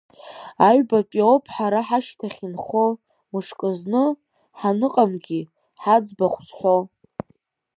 Аҩбатәи ауп ҳара ҳашьҭахь инхо, мышкызны, ҳаныҟамгьы, ҳаӡбахә зҳәо…